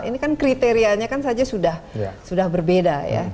ini kan kriterianya kan saja sudah berbeda ya